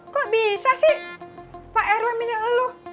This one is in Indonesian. kok bisa sih pak rw milih lo